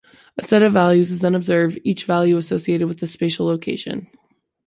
A set of values is then observed, each value associated with a spatial location.